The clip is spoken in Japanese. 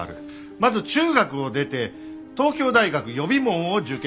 まず中学を出て東京大学予備門を受験。